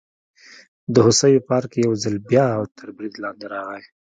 د هوسیو پارک یو ځل بیا تر برید لاندې راغی.